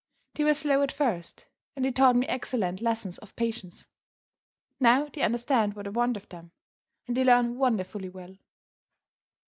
They were slow at first, and they taught me excellent lessons of patience. Now they understand what I want of them, and they learn wonderfully well.